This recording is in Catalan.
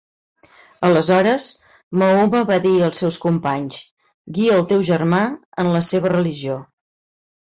Aleshores, Mahoma va dir als seus companys: "Guia al teu germà en la seva religió".